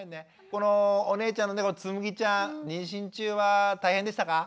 このお姉ちゃんのつむぎちゃん妊娠中は大変でしたか？